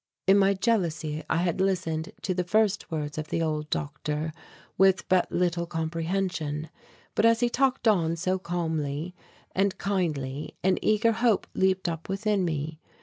In my jealousy I had listened to the first words of the old doctor with but little comprehension. But as he talked on so calmly and kindly an eager hope leaped up within me.